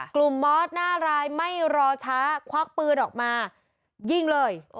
มอสหน้ารายไม่รอช้าควักปืนออกมายิงเลย